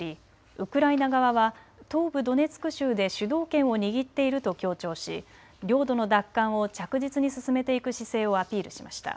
ウクライナ側は東部ドネツク州で主導権を握っていると強調し領土の奪還を着実に進めていく姿勢をアピールしました。